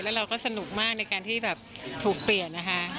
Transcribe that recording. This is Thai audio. แล้วเราก็สนุกมากในการที่แบบถูกเปลี่ยนนะคะ